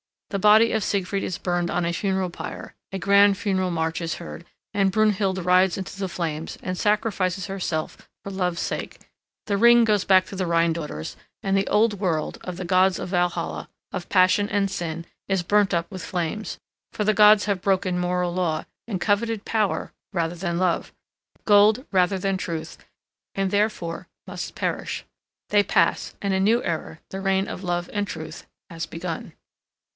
The body of Siegfried is burned on a funeral pyre, a grand funeral march is heard, and Brunhild rides into the flames and sacrifices herself for love's sake; the ring goes back to the Rhine daughters; and the old world of the gods of Valhalla, of passion and sin is burnt up with flames, for the gods have broken moral law, and coveted power rather than love, gold rather than truth, and therefore must perish. They pass, and a new era, the reign of love and truth, has begun.